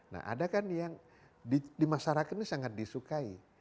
nah ada kan yang di masyarakat ini sangat disukai